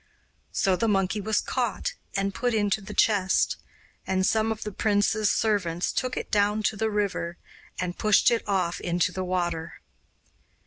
So the monkey was caught and put into the chest, and some of the prince's servants took it down to the river and pushed it off into the water.